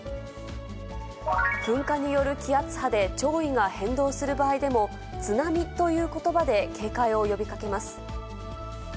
噴火による気圧波で潮位が変動する場合でも、津波ということばで警戒を呼びかけます。